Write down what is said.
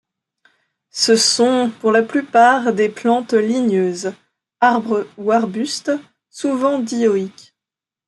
Ce sont pour la plupart des plantes ligneuses, arbres ou arbustes, souvent dioïques.